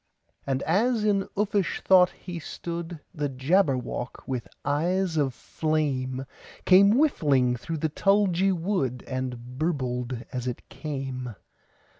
And as in uffish thought he stood, The Jabberwock, with eyes of flame, Came whiffling through the tulgey wood, And burbled as it came!